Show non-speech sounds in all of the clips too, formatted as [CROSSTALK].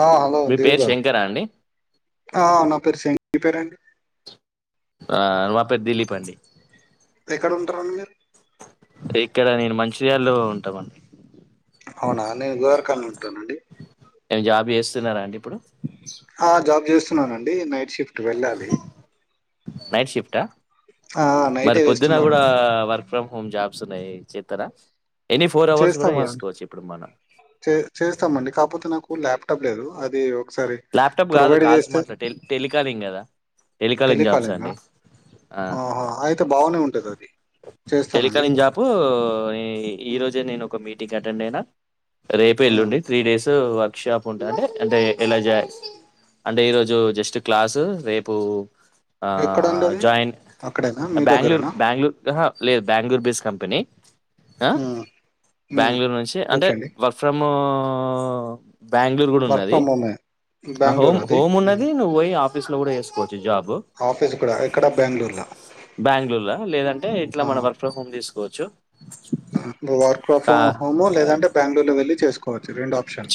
ఆ హలో మీ దిలీప్ పేరు గా శంకరా అండి ఆ నా పేరు మీ పేరండి ఆ మా పేరు దిలీప్ అండి ఎక్కడ ఉంటారండి మీరు ఇక్కడ నేను మంచియాల్లో ఉంటామండి అవునా నేను గోరఖన్ని ఉంటానండి నేను జాబ్ చేస్తున్నాండి ఇప్పుడు ఆ జాబ్ చేస్ న్నానండి నైట్ షిఫ్ట్ వెళ్ళాలి నైట్ షిఫ్ట ఆ మరి నైటే పొద్దున్న వేస్తున్నాడు కూడా వర్క్ ఫ్రమ్ హోమ్ జాబ్స్ ఉన్నాయి చేత్తార చేస్తామా చే చేస్తామండి కాకపోతే నాకు ల్యాప్టాప్ లేదు అదే ల్యాప్టాప్ కాదు కాల్స్ మాట్లా టెలికాలింగ్ కదా టెలికాలింగ్ జాబ్స్ టెలికాలింగా అండి ఆహా అయితే బాగానే ఉంటుంది అది చేస్తానండి టెలికాలంగ్ జాప్ ఈ ఉమ్, రోజే నేను మీటి టిట్ అటెండ్ అయినా రేప ఉమ్. ఎల్లుండి త్రీ డేస్ వర్క్ షాప్ ఉంటా అంటే అంటే ఇలా జ అంటే ఈరోజు జస్ట్ క్లాసు రేపు ఆ ఎక్కడండి అది జాయిన్ అక్కడేనా మీ బ్యాంగ్ళూరు దగ్గరేనా బ్యాంగ్ళూర్ లేదు బెంగళూరు బేస్ కంపెనీ ఆ ఉమ్, ఉమ్. బ్యాంగళూరు నుంచి అంటే ఓకే అండి వర్క్ ఫ్రమ్ ఆ బెంగళూరు కూడా వర్క్ ఉన్నది ఫ్రమ్ హోమే బెంగళూరు హోమ్ అది హోమ్ ఉమ్. ఉన్నది నువ్వుయి ఆఫీస్ లో కూడా వేకోచ్చు జా ఆఫీస్ కూడా ఎక్కడ బెంగళూరులో బెంగళూరు లేదంటే ఇట్లా మన వర్క్ ఫ హోమ్ తీ కోఓచ్చు హోము లేదంటే బెంగళూరులో వెళ్ళి చేసుకోవచ్చు రెండు ఆప్షన్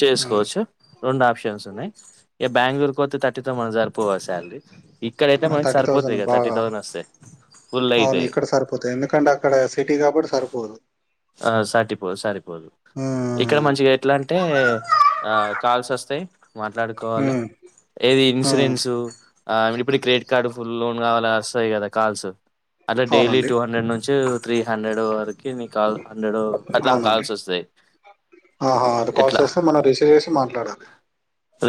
ఏ బెంగళూరుకి పోతే తథర్టీతో మన జరిపోవ శాలరీ ఇక్కడైతే మనకి థర్టీ సరిపోతాయి థౌసండ్ కదా బాగ థర్టీ థౌసండ్ వస్తాయి ఫుల్ అవును అవుతాయి ఇక్కడ సరిపోతాయి ఎందుకంటే అక్కడ సిటీ కాబ సరిపో పోరు ఆ సరిపోదు సరిపోదు ఇక్కడ ఉమ్, మంచిగా ఎట్లా అంటే ఆ కాల్సోస్తాహ్ మాట్లాడుకోవాలి ఉమ్, ఏది ఉమ్. ఇన్సూరెన్సు ఆ ఇప్పుడు క్రెడిట్ కార్డు ఫుల్ లోన్ కావాల వస్తాయి కదా కాల్స్ అదే డైలీ అవునండి టూ హండ్రెడ్ నుంచి త్రీ హండ్రెడ్ వరకు నీ కాల్ హండ్రెడ్ అట్లా అవునండి కాల్స్ వస్తుాయి ఆహా అది కాల్స్ ఎట్లా వస్తే మనం రిసీవ్ చేసి మాట్లాడాలి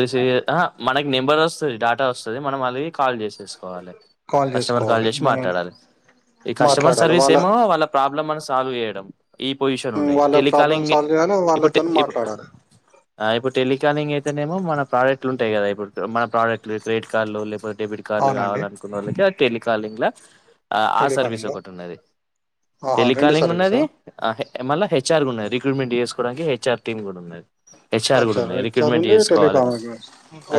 రిసవ్ మనకి నెంబర్ వస్తుంది డేటా వస్తుంది మనం మళ్ళకి కాాల చేస్ తీసుకోవాలి కాల్ కస్టమర్ కాల్ చేసుకోవాలి చేసి మనం మాట్లాడాలి ఈ కస్టమర్ సర్వీస్ ఏమో వాళ్ళ ప్రాబ్లం అని సాల్వ్ చేయడం ఈ పొజిషన్ ఉమ్, ఉన్నాయి వాళ్ళ ప్రాబ్లమ్ టెలికాలింగ్ సాల్వ్ చేయాలి వాళ్ళతో ఇప్పుడుప్పు మాట్లాడాలి అ ఇప్పుడు టెలికానింగ్ అయితేనేమో మన ప్రొడక్ట్లు ఉంటాయి కదా ఇప్పుడు మన ప్రొడక్ట్లు క్రెట్ కార్లు లేపోతే డెబి అవునండి కాడ్లుకావాలనుకున్నళ్ళకి టలికాలింగ్ లా అఆ సర్వీస్ టెలికాలింగ్ ఒకటి ఉన్నది ఆహా రెండు టెలికాలింగ్ సర్వీసా ఉన్నది ఆహా మళ్ళ హెఆర్ కూడా ఉన్నాయి రిక్రూట్మెంట్ చేసుకోవడానికి హెచ్ఆర్ టీమ్ కూడా ఉన్నది హెచ్ఆర్ కూడా అచ్చా ఉన్నాయి రెడ్ చార్ రిక్రూట్మెంట్ ఉంది చేసుకోవాలని టెలికాలింగ్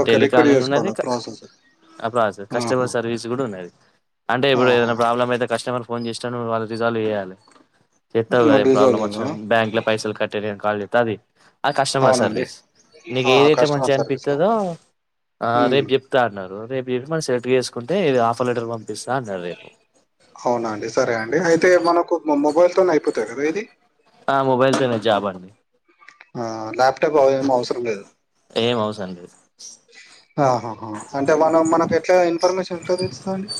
ఓకే రికార్డ్ టెలికాలింగ్ ఉన్నది చేసుకోవాలి ప్రాసెస్ కస్టమర్ ఆహా సర్వీస్ కూడా ఉన్నది అంటే ఇప్పుడు ఏదైనా ఆహా ప్రాబ్లం అయితే కస్టమర్ ఫోన్ చేస్తాను వాళ్ళు రిజాల్వ్ చేయాలి చెస్తావు గ ప్రాబ్లమ్ డీజోలినా వచ్చినా బ్యాంక్ లో పైసలు కట్టే కాాళ గది ఆ కస్టమర్ అవునండి సర్వీస్ నీకు ఆహా ఏదైతే కస్టమర్ మంచిగా సర్వీసా అనిపిస్తదో ఉమ్ రేపు చెప్తా అన్నారు రేపు చెప్పి మనం సెలెక్ట్ చేసుకు కుంటే ఇది ఆఫర్ లెటర్ పం అవునండి సరే అండి అయితే మనకు మొబైల్ మ అయిపోతయి కదా ఇది అడి ఆ లాప్టప్ అవ అవసరం లేదు ఏమవుసరం లేదు ఆహాహ అంటే మనం మనకు ఎట్ల ఇన్ఫర్మేషన్ ఎట్ తెలుస్తుంద అండి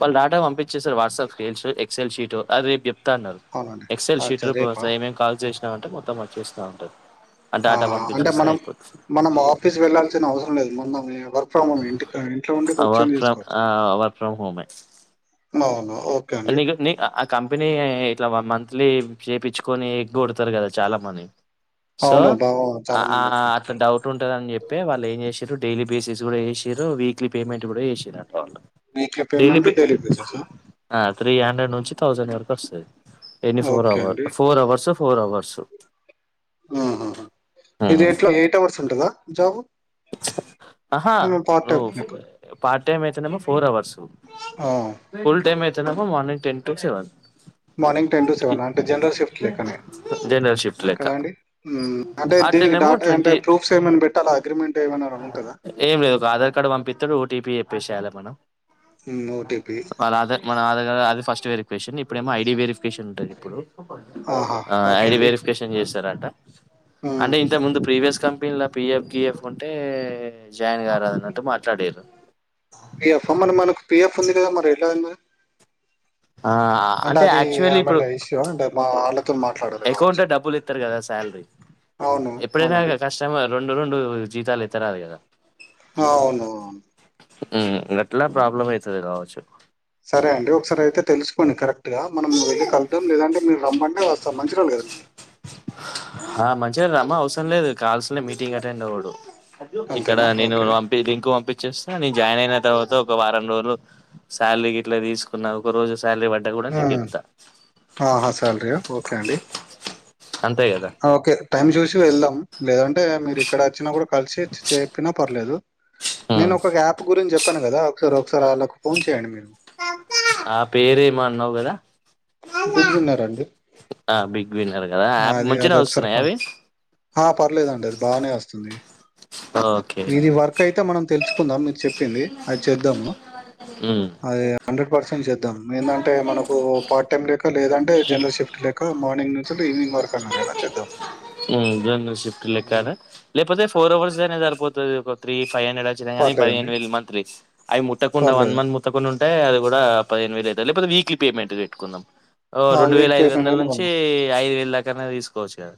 వాళ్ళ డాట పంపించే స వాట్సాప్ల్స్ ఎక్సెల్ షీట్ అదే చెప్ తండు అవునండి ఎక్స ఎల్ అచ్చా షీటర్ రేపా ఏమేం కాల్ చే ఇ ఉంటే మొత్తం వర్క్ చేస్తా ఉంటె ఆహ అంటే మనం మనం ఆఫీస్ వెళ్లాాల్సిన అవసరం లేదు మొన్న అ వర్క్ ఫ్ర వర్క్ ఫ్రం హోమే నవును అనెగ నె అనె కంపెనీ ఇట్ల వన్ మంత్లీ చేయించుకొని ఎ కొొడతారు కదా చాలా మంది సో అవును బాగా అ చాలా మంది అట్ల ఎక్కుతారు డౌట్ ఉంటుందని చెప్పి పె వాళ్ళు ఏం చేసీరు డైలీ బేసిస్ కూడా చేసారు వీక్లీ పేమెంట్ కూడా వేసారు వీక్లి పేమెంటు డైలి చే సా ఆ త్రీ హండ్రెడ్ నుంచి థౌజండ్ వరకు వస్తుంది ఎనీ ఫోర్ ఓకే అవర్ అండి ఫోర్ అవర్స్ చ ఫోర్ అవర్స్ ఊహు ఇది ఎట్లా ఎయిట్ అవర్స్ ఉంటదా జాబ్ హా పార్ట్ ర టైప్ లెక్క పటీ టైమ్ అయితే న ఫోర్ అవర్స్ ఆ ఫుల్ టైమ్ ఎ మనింగ్ టెన్ టటువెన్ మార్నింగ్ టెన్ టు సెవెన్ అంటే జనరల్ షిఫ్ట్ ెక్కనే జనరల్ షిఫ్ట్ లెక్క కదా అండి అంటే దీనికి అట్లనేమో డాటా అంటే ట్వంటీ ప్రూఫ్స్ ఏమైనా పెట్టాలా అగ్రిమెంట్ ఏమైనా ఉంటుందా ఏం లేదు ఆధార్ కార్డు పంపి ఓటీపీ చెప్పేసేయాలి మనం మోటిపి వాళ్ళ ఆధార్ మన అది ఫస్ట్ వెరిఫికవషన్ ఇప్పుడు ఏమ ఐడి వెరిఫ ప్పు ఆహా ఓకే ఐ అండి వెరిఫికేషన్ జరాట అంటే ఇంత ముందు ప్రీవియస్ క పిల్లా పీఎఫ్ గఎఫ కుంటే జాయిన్ గారుదన్నట్టు మాట్లాడారు పిఎఫ్ మరి మకు పిఎఫ్ ఉంది కదా మరి ఎట్లా ఆ అంటే అది యాక్చువల్లీ ఇప్పుడు ఏమైనా ఇష్యూ అంటే మా వాళ్ళతో మాట్లాడాలి అకౌంట్ కావచ్చు లో డబ్బులు ఇస్తారు కదా శాలరీ అవును ఎప్పుడైనా అవునండి కస్టమర్ రెండు రెండు జీతాలు ఎత్తరా కదా అవును అవును ఎట్లా ప్రాబ్లమ్ మ్మ్. అవుతుంది కావచ్చు సరే అండి ఒకసారి అయితే తెలుసుకోండి కరెక్ట్గా మనం వెళ్ళి కళ్తాం లేదంటే మీరు రమ్మంటే వస్తాం మంచి రళ్ాలు కదా మీది ఆ మంచిగా రమ్మా అవసరం లేదు కాల్సనే మీటింగ్ అటెండ్ అవ్వడు ఇక్కడ అంతేనా నేను ఓకే పంపి లింకు పంపించేస్తా నేను జాయిన్ అయిన తర్వాత ఒక వారం రోజులు శాలరీకి ఇట్లా తీసుకున్నా ఒక రోజు శాలరీ పాడా కూడా నీకు మ్మ్. ఇస్తా ఆహా సల్్రియా ఓకే అండి అంతే కదా ఓకే టైమ్ చూసి వెళ్దాం లేదంటే మీరు ఇక్కడ వచ్చినా కూడా కలిసి చెప్పినా పర్లేదు నేను ఉమ్ ఒక యాప్ గురించి చెప్ప చెప్పాను కదా ఒకసారి ఒకసారి వాళ్ళకి ఫోన్ చేయండి మీరు ఆ పేరు ఏమ అన్నావు కదా బిగబన్నారాండి ఆ బిగ్ విన్నర్ కదా యాప్ అది అది మంచినే ఒకసారి వస్తున్నాయి ఫోన్ అవి పర్లేదండి అది బాగానే వస్తుంది ఓకే వీది వరకు అయితే మనం తెలుసు చెప్పుకుందాం మీరు చెప్పింది అది చేద్దాము అమ్ హండ్రెడ్ పర్సెంట్ చేద్దాం ఏందంటే మనకు పార్ట్ టైమ్ లేక లేదంటే జనరల్ షిఫ్ట్ లేక మార్నింగ్ నుంచుంటే ఈవినింగ్ వర్కున్నారు ద చేద్దాం షిఫ్ట్ లెక్కడ హ్మ్. లేకపోతే ఫోర్ అవర్స్ అనే సరిపోతది త్రీ ఫైవ్ హండ్రెడ్ వచ్చినాయి కానీ పర్లేదండి. పదిహేను వే మంత్లీ అవి ముట్టకుండా వన్ పర్లేదు. మంత్ ముట్టకుండా ఉంటే అది కూడా పదిహేనేవేలువుంది లేకపోత వీక్ లి పేమెంట్ పెట్టుకుందాం ఓ ఆ! రెండు వేల విత్ ఐదు పేమెంట్ వందల అయిన నుంచి ఐదు వేలు లెక్కన తిస్కో వచ్చు కదా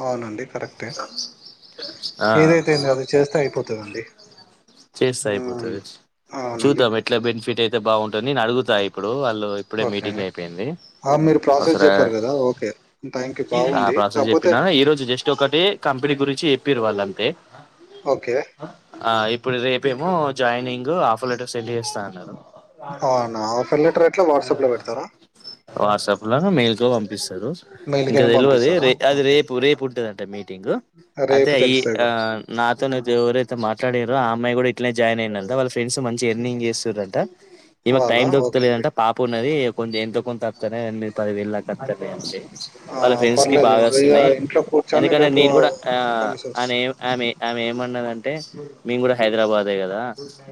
అవునండి కరెక్టే ఆ! ఏదైతేంది అది చేస్తే అయిపోత దండి చేస్తే అయిపోతది. అవునండి బాగుంటది నేను అడుగుతా ఇప్పుడు వాళ్ళు ఇప్పుడే ఓకే మీటింగ్ అండి. అయిపోయింది ఆ! మీరు ప్రాసెస్ ఒకసర జెప్పారు గదా! ఓకే. థాంక్యూ ఆ బాగుంది. ప్రాసెస్ చెప్పిస్తా కాపోతే చెప్పినాం ఈ రోజు జస్ట్ ఒకటి కంపెనీ గురించి చెప్పిరు వాళ్ళ తే ఓకే. ఆ ఇప్పుడు రేపేమో జాయినింగ్ ఆఫర్ లెటర్ సెండ్ చేస్తా అన్నారు అవునా? ఆఫర్ లెటర్ ఎట్లా వాట్సాప్‌లో పెడతారా? వాట్సాప్ లో మెయిల్ కు పంపిస్తారు ఇంకా మెయిల్‌కైనా తెలివాది పంపిస్తారా? రే అది ఓకే. రేపు రేపు ఉంటదింట మీటింగ్ అయితే రేపు తెలుస్తది అ ఆ గావచ్చు. నాతో ఆ! ఎవరైతే మాట్లాడారో ఆమె అమ్మాయి కూడా ఇట్నే జాయిన్ అయింది అంట వాళ్ళ ఫ్రెండ్స్ మంచి గా ఎర్నింగ్ చేస్తూరట ఈమెకు టైం వాళ్ళా? ఓకే అండి. దొరుకుతులేదంటే పాప ఉన్నది కొంచెం ఎంతో కొంత తక్తారా మీరు పదివేలు లాతార అంతే ఆ పర్లేదు ఇగ వున్నాయి ఇంట్లో కూర్చొని ఎందుకంటే రేపు నీది కూడా ఆ కమిషన్స్ అనే ఆ ఆమె ఏమన్నాదంటే మేము కూడా హైదరాబాద్ ఏ కదా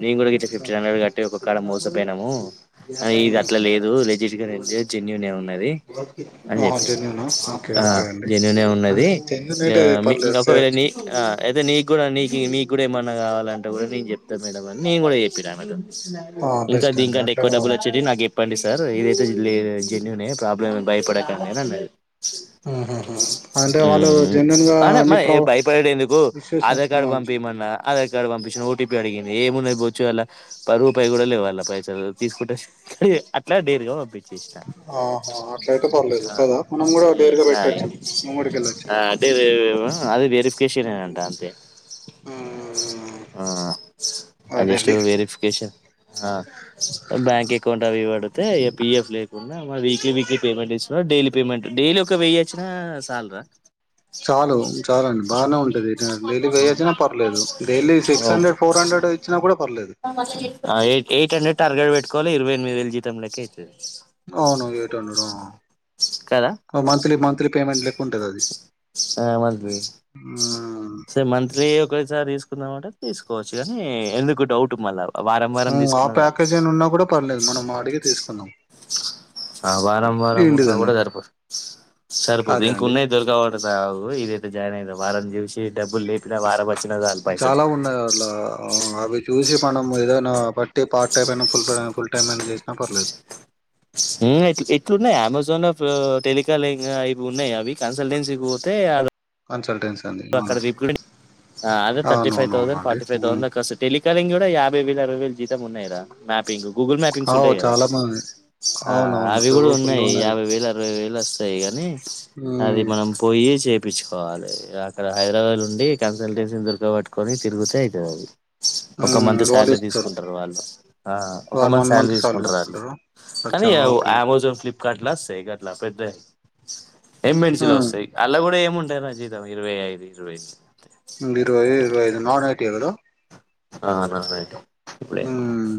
నేను కూడా ఇట్లా ఫిఫ్టీన్ హ్మ్. హండ్రెడ్ కట్టి కూడా మోస పోయినము ఇది హ్మ్. అట్లా లేదు వెజి ఇగ జెన్యుూన్ ఏ ఉన్నది అని ఆహా! చెప్పిండి జెన్యూనా? ఓకే. ఆ ఓకే అండి. న ఉన్నది అదే జెన్యూన్ అయితే పర్లేదు ఒకవేళ చేయొచ్చు. నీ అయితే నీ కూడా నీ మీ కూడా ఏమన్నా కాల అలా కూడా నేను చెప్తాను మేడం అని నేను కూడా చెప్పినాను ఆ! అ ఇంకా బెస్ట్ అండి దీనికంటే ఎక్కువ అట్లనే డబ్బులు పంపి వచ్చేవి నాకు చెప్పండి సార్ ఏదైతే జ జెన్యూన్ ఏ ప్రాబ్లమ్ భయపడకండి అన్నది ఆ అ అన్ని మరి ప్రొ భయపడేట ఎందుకు ఇష్యూస్ ఆధార్ కార్డు ఆ! పంపిమన్న ఆధార్ పంపించిన ఓటీపీ అడిగింది ఏమున్నా బొచ్చు అంధుల పది రూపాయి కూడా లేవు అ పైసలు తీసుకుంటే అట్లా డేర్గా పంపించు ఆహా అట్ల అయితే పర్లేదు ఆ కదా మనం కూడా దేరుగా ఉమ్ పెట్ట ఆ ఆది వెరిఫికేషన్ కే నే అంట హ్మ్. హ్మ్. జస్ట్ అదండి. వెరిఫికేషన్ బ్యాంకు అకౌంట్ అవి ఇవి అడిగితే ఏ పీఎఫ్ లేకుండా వీక్లీ వీక్లీ పేమెంట్ ఇస్తున డైలీ పేమెంట్ డైలీ వెయచ్చిన సల్రా చాలు చాల అండి బాగానే ఉంటది డైలీ వేయొచ్చినా పర్లేదు daily six okay hundred four hundred ఇచ్చినా కూడా పర్లేదు ఎయిట్ ఎయిట్ హండెడ్ టార్గెట్కోవి ఇరవ ఎనిమిదిళ్ జతంలోక అయింది అవును ఎయిట్ హండ్రెడు కదా మంత్లీ మంత్లీ పేమెంట్ లెక్కుంటది అది ఆ రే ఒకసారి తీసుకుందామాంటే తీసుకోవచ్చు కానీ ఎందుకు డౌట్ మళ్ళా వారం వారం హ్మ్. ఆ తీసుకున్న చాలు ప్యాకేజ్ అని ఉన్నా కూడా పర్లేదు. మనం అడిగి తీసుకుందాం. ఆ వారం వారం ఉన్నా ఏంటిదని కూడా సరిపో సరిపోద్ది అదే ఇంక అండి. ఉన్నాయి దొరకవంట జాబు జాయిన్ ఐదాం వారం చూసి డబ్బులు లేపినా వారం వచ్చినా చాలు పైసలు చాలా ఉన్నాయి అట్లా అవి చూసి మనం ఏదైనా కాబట్టి పార్ట్ టైమ్ అయినా ఫుల్ టైం ఫుల్ టైమ్ ఐనా చేసినా పర్లేదు ఎట్లున్నాయి అమెజాన్లా టెలికాలింగ్ అవి ఉన్నాయ అవి కన్సల్టెన్సీకీ పోతే కన్సల్టెన్సీ అని. అవును. అక్కడ రికులింగ్ అదే థర్టీ ఫైవ్ థౌసండ్ అవునవునవునండి ఫార్టీ ఫైవ్ హ్మ్. థౌసండ్ దాకావస్తాయ్ టేలి కాలింగ్ కూడా యాభై వేల అరవై వేల జీతం ఉన్నాయి రా మ్యా పింగ్ గూగుల్ మ్యాపింగ్స్ అవు ఉంటాయి కదా చాలా మంది అవునవును అవి తో కూడా ఫుల్ ఉన్నాయి ఉన్నది యాభై వేల అరవై వేల సైగానీ అది ఉమ్ మనం పోయి చెపి చుకోవాలి అ క్కడ హైదరాబాద్ లో ఉండి కన్సల్టెన్సీ దొరకబట్టుకొని తిరుగితే అయితాదది ఒక ఉమ్ మంత్ వాళ్ళు శాలరీ ఇస్తారు తీసుకుంటారు వాళ్ళు ఒక వాళ్ళు మంత్ వన్ శాలరీ సాలరీ తీసుకుంటారు వాళ్ళు తీసుకుంటారా కానీ అచ్చా ఓకే అమెజాన్ ఫ్లిప్ కార్ట్ లా సేగట్లా పెద్దయి ఏం మెడిసిలోస్తాయ్ ఉమ్ అలా కూడా ఏం ఒంటరి నా జీవితం ఇరవై ఐదు ఇరవై ఇరవై తేలిక ఇరవైఐదు నన్ ఐటియే కదా ఆ నాన్ఐటీ హ్మ్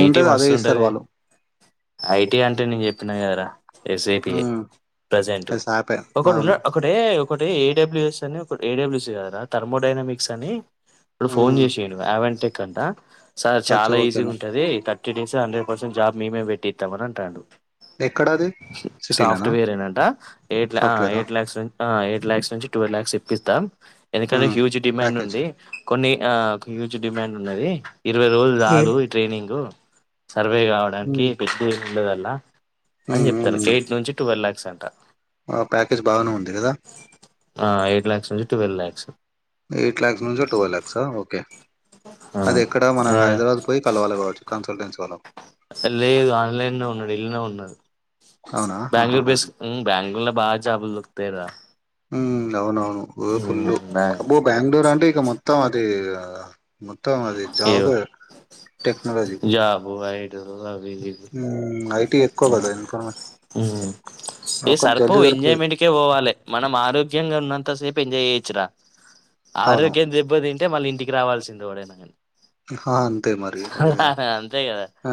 ఐటి మస్తు ఉంటది వాళ్ళు ఐటీ అంటే నేను చెప్ తున్నా కదరా యస్ఏపిఏ ఉమ్ ప్రజెంట్ అది సాపే ఒకడు ఉన్న అవును ఒకడే ఒకటి ఏడబ్ల్యూఎస్ అని ఒకటి ఏడబ్ల్యూఎస్ కాదురా థర్మోడైనమిక్స్ అని అప్పుడు ఫోన్ ఉమ్ చేసిండు యవన్ టేక్ కంటా స అచ్చ చాలా ఈజీగా ఓకేనా ఉంటది త కిటింగ్స్ హండ్రెడ్ పర్సెంట్ జాబ్ మేమే పెట్టితాంఅని అంటాడు ఎక్కడ అది సిటీలోనా సాఫ్ట్వేర్ ఏనంట ఎయిట్ ఆ సాఫ్ట్వేరా ఎయిట్ ల్యాక్స్ ను ఎయి లాక్స్ నుంచి టువల్ లాక్స్ ఇప్పిస్తా ఎందుకంటే ఉమ్ హ్యూజ్ డిమాండ్ ప్యాకేజ్ ఉంది కొన్ని ఆ ఒక హ్యూజ్ డిమాండ్ ఉన్నది ఇరవై రోజు ఉమ్ చాలు ఈ ట్రైనింగ్ సర్వే కావడానికి ఉమ్ పెద్ది ఉండండ్ల అని ఉమ్ చెప్తారు ఉమ్ ఎయిట్ నుంచి ట్వెల్వ్ ల్యాక్స్ సెంట ఆ ప్యాకేజ్ బాగానే ఉంది కదా ఆ ఎయిట్ లాక్స్ నుంచి ట్వెల్వ్ ల్యాక్స్ ఎయిట్ లాక్స్ నుంచి టువల్ ల్యాక్స్ ఆ ఓకే అది ఎక్కడ మన హైదరాబాద్ పోయి కలవాలి కావచ్చు కన్సల్టెన్సీ వాళ్ళ లేదు ఆన్లైన్ లో ఉన్నాడు ఇంట్లోనే ఉన్నాడు అవునా బెంగళూరు ఆహాహా బేస్ బ్యాంగళూరు బా జాబులు దొరుకుతాయి రా ఉమ్ అవునవును ఉమ్, ఫుల్లు నా- అబ్బో బెంగళూరు అంటే ఇక మొత్తం అది ఆ మొత్తం అది జాబు టెక్న జాబోయే [INAUDIBLE] ఉమ్ అయి ఇవి ఒకటి జల్దీ సరిపోవు దొరుకుతది ఎంజాయ్మెంట్ కే పోవాలి మనం ఆరోగ్యంగా ఉన్నంత ఇంతసేపు ఎంజాయ్ చేయొచ్చు రా అవును ఆరోగ్యం దెబ్బందింటి అంటే మళ్ళ ఇంటికి రావాల్సింది ఎవడైనా కానీ హా అంతే మరి ఇ అంతే కదా ఆ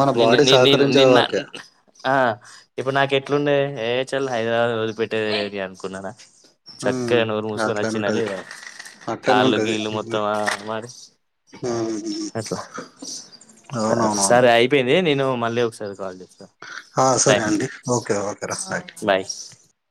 మన బాడీ సహకరించే వరకే ఉమ్ ఇప్పుడు నాకు ఎట్లుండ ఏ చల్ హైదరాబాద్ రోజుపెట్టే అనుకున్నానా ఉమ్ చక్కగా నోరు మూసుకొని అట్లనే వచ్చిన్ల ఉంటది లేదా అట్లనే కాళ్ళు ఉంటది గీళ్ళు హ్మ్. మొత్తం మరి హ్మ్. అట్లా అవునవునవును సరే అయిపోయింది నేను మళ్ళీ ఒకసారి కాల్ చేస్తా ఆ సరే టైం అండి ఓకే ఓకేరా రైట్ బాయ్